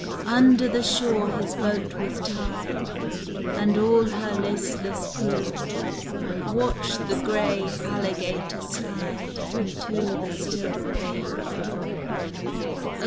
Under the shore his boat was tied, And all her listless crew Watched the gray alligator slide Into the still bayou.